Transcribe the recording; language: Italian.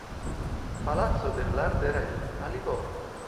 Palazzo de Larderel a Livorno